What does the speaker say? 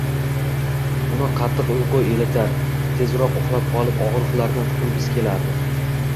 Uni qattiq uyqu elitar, tezroq uxlab qolib og`riqlardan qutilgisi kelardi